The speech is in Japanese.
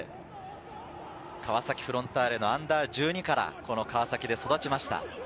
川崎フロンターレのＵ−１２から、この川崎で育ちました。